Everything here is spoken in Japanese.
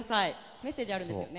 メッセージがあるんですよね？